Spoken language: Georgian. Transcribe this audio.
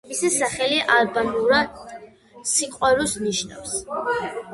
მისი სახელი ალბანურად „სიყვარულს“ ნიშნავს.